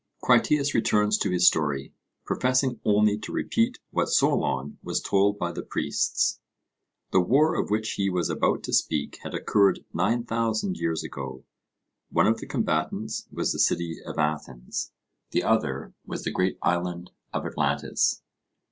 Critias returns to his story, professing only to repeat what Solon was told by the priests. The war of which he was about to speak had occurred 9000 years ago. One of the combatants was the city of Athens, the other was the great island of Atlantis.